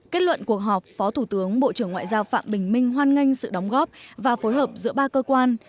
kết luận cuộc họp phó thủ tướng bộ trưởng ngoại giao phạm bình minh hoan nghênh sự đóng góp và phối hợp giữa ba cơ quan